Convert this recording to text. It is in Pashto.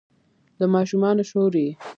د ماشومانو شور یې